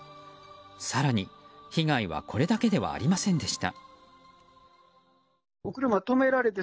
更に被害はこれだけではありませんでした。